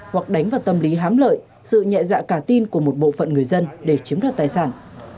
hoặc đánh vào tâm lý hám lợi sự nhẹ dạ cả tin của một bộ phận người dân để chiếm đoạt tài sản